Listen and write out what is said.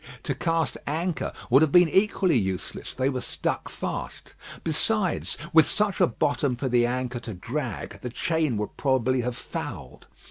To cast anchor would have been equally useless: they were stuck fast. Besides, with such a bottom for the anchor to drag, the chain would probably have fouled.